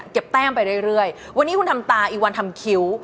แต้มไปเรื่อยวันนี้คุณทำตาอีกวันทำคิ้ว